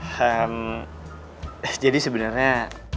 ehm jadi sebenarnya